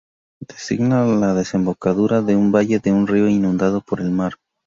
Designa la desembocadura de un valle de un río inundado por el mar.